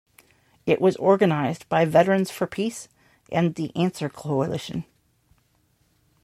It was organized by Veterans for Peace and the Answer Coalition.